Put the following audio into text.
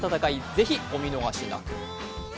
是非、お見逃しなく。